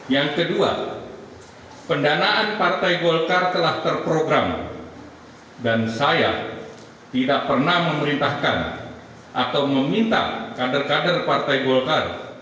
yang kedua pendanaan partai golkar telah terprogram dan saya tidak pernah memerintahkan atau meminta kader kader partai golkar